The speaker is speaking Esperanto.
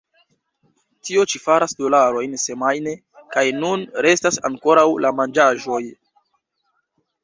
Tio ĉi faras dolarojn semajne, kaj nun restas ankoraŭ la manĝaĵoj.